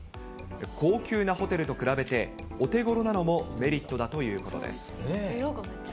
高級なホテルと比べて、お手ごろなのもメリットだということです。